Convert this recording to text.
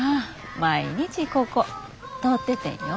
毎日ここ通っててんよ。